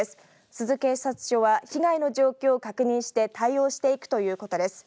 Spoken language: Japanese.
珠洲警察署は被害の状況を確認して対応していくということです。